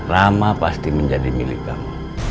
rama pasti menjadi milik kamu